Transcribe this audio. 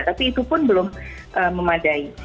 tapi itu pun belum memadai